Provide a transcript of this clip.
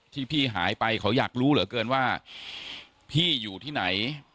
ที่พี่หายไปเขาอยากรู้เหลือเกินว่าพี่อยู่ที่ไหน